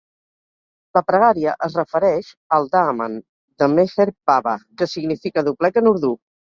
La pregària es refereix al "daaman" de Meher Baba, que significa "doblec" en urdú.